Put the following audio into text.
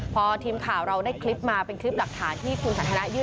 พอทีมข่าวเราได้คลิปมาเป็นคลิปหลักฐานที่คุณสันทนายื่น